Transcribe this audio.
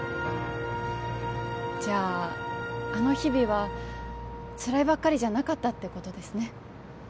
じゃああの日々はつらいばっかりじゃなかったってことですね